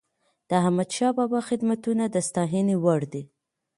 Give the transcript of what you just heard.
د احمدشاه بابا خدمتونه د ستايني وړ دي.